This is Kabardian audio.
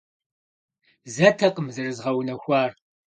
Зэтэкъым зэрызгъэунэхуар.